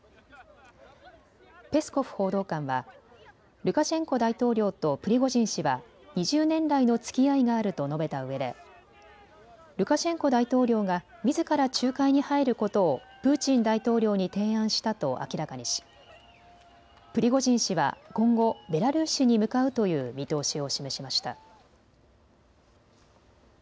ペスコフ報道官はルカシェンコ大統領とプリゴジン氏は２０年来のつきあいがあると述べたうえでルカシェンコ大統領がみずから仲介に入ることをプーチン大統領に提案したと明らかにしプリゴジン氏は今後、ベラルーシに向かうという見通しを示しました。